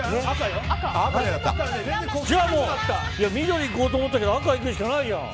緑いこうと思ったけど赤いくしかないじゃん。